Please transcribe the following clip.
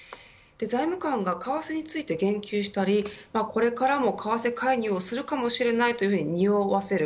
財務官が為替について言及したりこれからも為替介入をするかもしれないというふうに匂わせる